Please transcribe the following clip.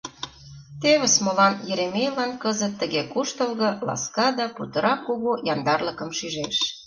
Тевыс молан Еремейлан кызыт тыге куштылго, ласка да путырак кугу яндарлыкым шижеш.